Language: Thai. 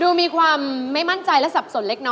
ดูมีความไม่มั่นใจและสับสนเล็กน้อย